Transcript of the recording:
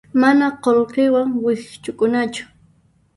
Mana qullqiwan wikch'ukunachu.